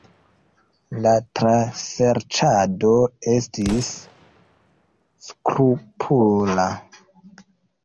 La traserĉado estis skrupula.